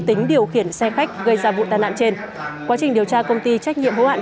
tính điều khiển xe khách gây ra vụ tai nạn trên quá trình điều tra công ty trách nhiệm hữu hạn